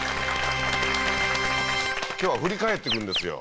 今日は振り返っていくんですよ